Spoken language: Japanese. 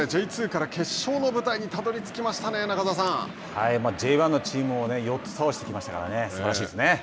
Ｊ２から決勝の舞台にたどりつきましたねＪ１のチームを４つ倒してきましたからすばらしいですね。